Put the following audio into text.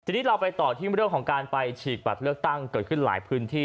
ทีนี้เราไปต่อที่เรื่องของการไปฉีกบัตรเลือกตั้งเกิดขึ้นหลายพื้นที่